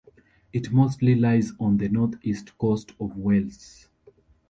It mostly lies on the north-east coast of Wales.